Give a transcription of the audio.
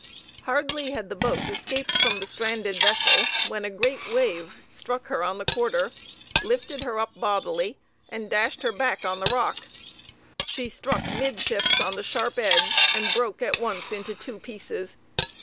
Hardly had the boat escaped from the stranded vessel when a great wave struck her on the quarter, lifted her up bodily, and dashed her back on the rock. She struck midships on the sharp edge and broke at once into two pieces.